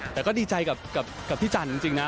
แต่ก็ดีใจกับพี่จันทร์จริงนะ